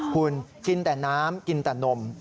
คุณชินแต่น้ำกินแต่นม